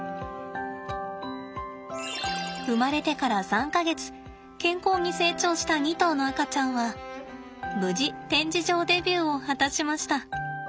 生まれてから３か月健康に成長した２頭の赤ちゃんは無事展示場デビューを果たしました。